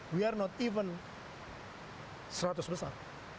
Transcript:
kita tidak bahkan seratus besar